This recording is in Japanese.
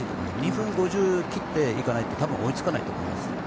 ２分５０を切らないと多分、追いつかないと思います。